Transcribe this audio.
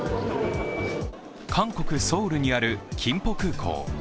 韓国ソウルにあるキンポ空港。